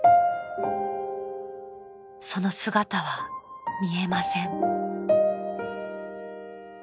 ［その姿は見えません］